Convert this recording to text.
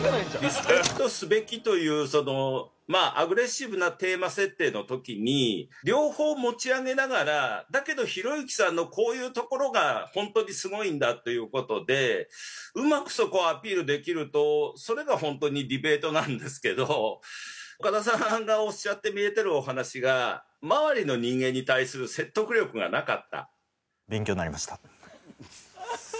リスペクトすべきというアグレッシブなテーマ設定の時に両方持ち上げながらだけどひろゆきさんのこういうところがホントにすごいんだという事でうまくそこをアピールできるとそれがホントにディベートなんですけど岡田さんがおっしゃってみえてるお話が周りの人間に対する説得力がなかった。